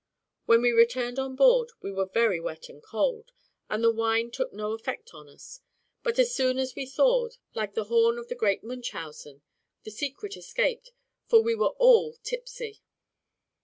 When we returned on board, we were very wet and cold, and the wine took no effect on us; but as soon as we thawed, like the horn of the great Munchausen, the secret escaped, for we were all tipsy.